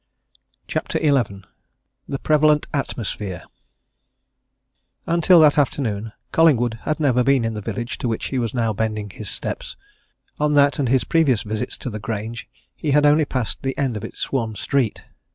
CHAPTER XI THE PREVALENT ATMOSPHERE Until that afternoon Collingwood had never been in the village to which he was now bending his steps; on that and his previous visits to the Grange he had only passed the end of its one street.